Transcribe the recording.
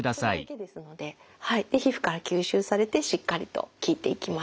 で皮膚から吸収されてしっかりと効いていきます。